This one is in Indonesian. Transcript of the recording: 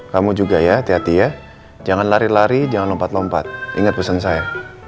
kamu juga ya hati hati ya jangan lari lari jangan lompat lompat ingat pesan saya